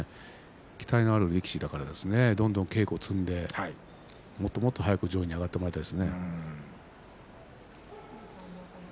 期待のある力士ですからどんどん稽古を積んでもっともっと早く上位に上がってほしいですね。